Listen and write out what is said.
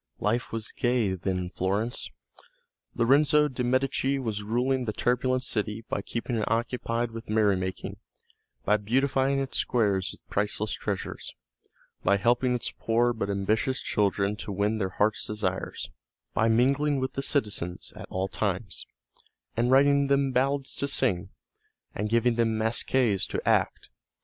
Life was gay then in Florence. Lorenzo de' Medici was ruling the turbulent city by keeping it occupied with merrymaking, by beautifying its squares with priceless treasures, by helping its poor but ambitious children to win their heart's desires, by mingling with the citizens at all times, and writing them ballads to sing, and giving them masques to act.